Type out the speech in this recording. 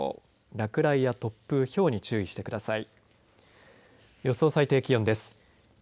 落雷や突風ひょうに注意してください。